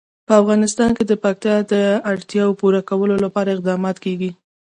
په افغانستان کې د پکتیا د اړتیاوو پوره کولو لپاره اقدامات کېږي.